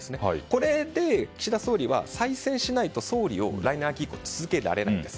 これで岸田総理は再選しないと総理を来年秋以降続けられないんです。